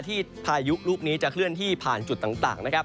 ที่พายุอุกนี้จะเคลื่อนที่ผ่านจุดต่าง